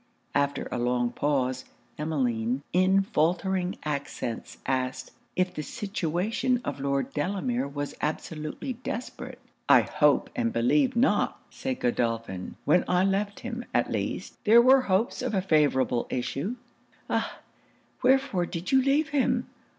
After a long pause, Emmeline, in faultering accents, asked 'if the situation of Lord Delamere was absolutely desperate?' 'I hope and believe not,' said Godolphin. 'When I left him, at least, there were hopes of a favourable issue.' 'Ah! wherefore did you leave him?